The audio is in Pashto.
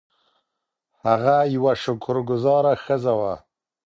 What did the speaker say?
هغه یوه شکر ګذاره ښځه وه.